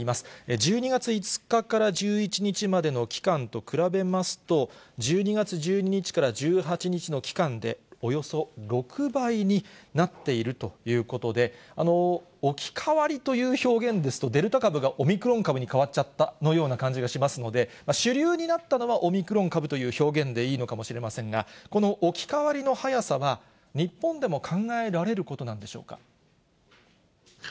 １２月５日から１１日までの期間と比べますと、１２月１２日から１８日の期間でおよそ６倍になっているということで、置き換わりという表現ですと、デルタ株がオミクロン株に変わっちゃったような感じがしますので、主流になったのはオミクロン株という表現でいいのかもしれませんが、この置き換わりの早さは、日本でも考えられることなんでしょうか。